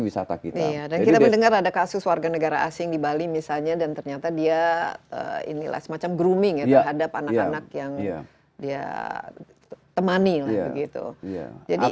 dan kita mendengar ada kasus warga negara asing di bali misalnya dan ternyata dia semacam grooming ya terhadap anak anak yang dia temani